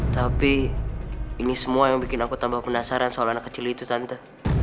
tapi ini semua yang bikin aku tambah penasaran soal anak kecil itu tante